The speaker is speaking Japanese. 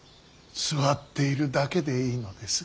座っているだけでいいのです。